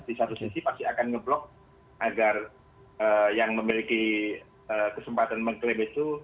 di satu sisi pasti akan ngeblok agar yang memiliki kesempatan mengklaim itu